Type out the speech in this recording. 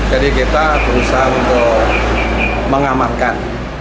jadi kita berusaha untuk mengamankan